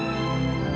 aku mau pergi